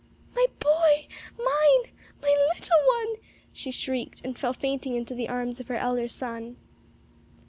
"My boy! mine! my little one!" she shrieked, and fell fainting into the arms of her elder son.